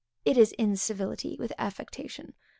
It is incivility with affectation.